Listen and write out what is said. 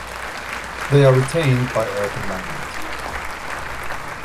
They are retained by earth embankment.